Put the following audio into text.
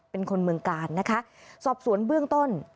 เป็นคนเมืองกาลนะคะสอบสวนเบื้องต้น